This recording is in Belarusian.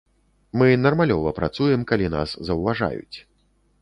Мы нармалёва працуем, калі нас заўважаюць.